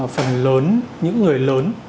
phần lớn những người lớn